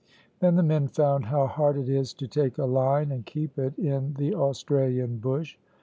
Then the men found how hard it is to take a line and keep it in the Australian bush.